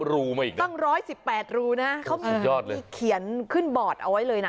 รูมาอีกนะตั้งร้อยสิบแปดรูนะเขามีเขียนขึ้นบอร์ดเอาไว้เลยนะ